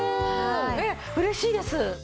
えっ嬉しいです！